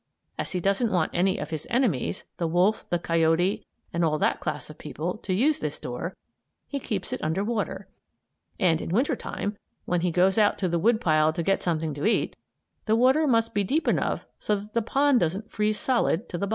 As he doesn't want any of his enemies the wolf, the coyote, and all that class of people to use this door, he keeps it under water. And in winter time, when he goes out to the wood pile to get something to eat, the water must be deep enough so that the pond doesn't freeze solid to the bottom.